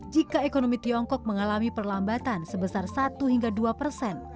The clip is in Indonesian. jika ekonomi tiongkok mengalami perlambatan sebesar satu hingga dua persen